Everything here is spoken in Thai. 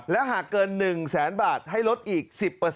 และหากเกิน๑แสนบาทให้ลดอีก๑๐